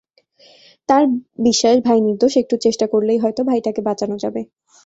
তাঁর বিশ্বাস ভাই নির্দোষ, একটু চেষ্টা করলেই হয়তো ভাইটাকে বাঁচানো যাবে।